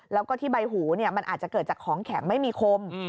แล้วก็ที่ใบหูมันอาจจะเกิดจากของแข็งไม่มีคม